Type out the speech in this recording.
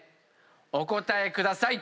お答えください。